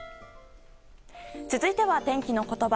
続いては、天気のことば。